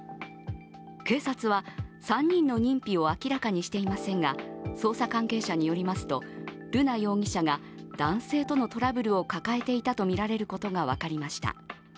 警察は３人の認否を明らかにしていませんが捜査関係者によりますと瑠奈容疑者が男性とのトラブルを抱えていたとみられること分かりました。